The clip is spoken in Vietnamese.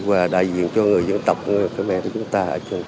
và đại diện cho người dân tộc người phở mẹ của chúng ta